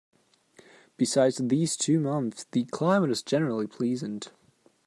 Besides these two months, the climate is generally pleasant.